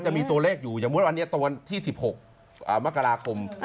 ก็จะมีตัวเลขอยู่อย่างมั้วอันที่๑๖มกราคม